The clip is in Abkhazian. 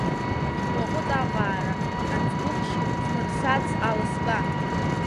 Уаҟәыҵ аҟаара, ацгәыхш змырсац аласба!